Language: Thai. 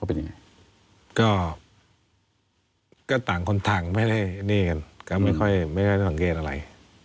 เป็นยังไงก็ต่างคนต่างไม่ได้นี่กันก็ไม่ค่อยไม่ได้สังเกตอะไร